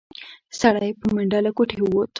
سړی په منډه له کوټې ووت.